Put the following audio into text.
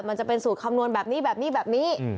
มันจะเป็นสูตรคำนวณแบบนี้แบบนี้แบบนี้